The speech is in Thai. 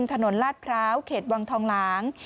ลาดพร้าวเขตวังทองหลาง